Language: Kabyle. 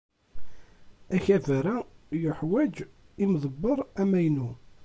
Akabar-a yeḥwaj imḍebber amaynu.